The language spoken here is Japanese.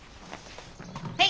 はい。